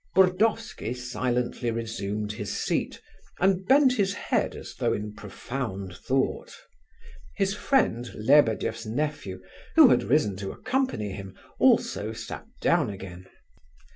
Burdovsky silently resumed his seat, and bent his head as though in profound thought. His friend, Lebedeff's nephew, who had risen to accompany him, also sat down again.